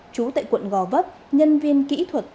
chú tại quận gò vấp nhân viên kỹ thuật